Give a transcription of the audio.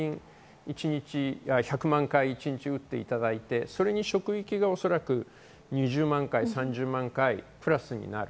一日１００万回打っていただいて、それで職域が２０万回、３０万回プラスになる。